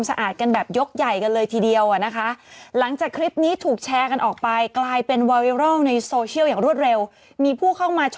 ซักเบาะทีเท่าไหร่ก่อนอันนี้มันเบาะผ้า